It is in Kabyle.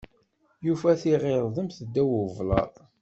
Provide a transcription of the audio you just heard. Yufa tiɣirdemt ddaw ublaḍ.